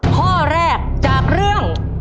ข้อแรกจากเรื่อง